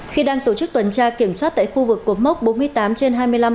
khi đang tổ chức tuần tra kiểm soát tại khu vực cột mốc bốn mươi tám trên hai trăm năm mươi hai